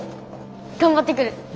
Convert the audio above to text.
頑張ってくる。